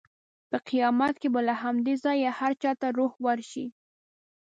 په قیامت کې به له همدې ځایه هر چا ته روح ورشي.